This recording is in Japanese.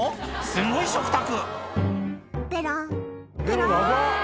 すごい食卓。